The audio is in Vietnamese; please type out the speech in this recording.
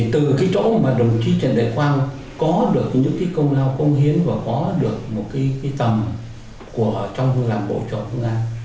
từ cái chỗ mà đồng chí trần đại quang có được những công lao công hiến và có được một tầm trong ngành bộ trọng công an